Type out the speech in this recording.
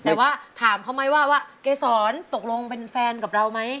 แต่ว่าถามเขาไหมว่าว่าเกษรตกลงเป็นแฟนกับเราไหม